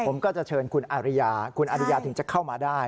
ผมก็จะเชิญคุณอาริยาคุณอาริยาถึงจะเข้ามาได้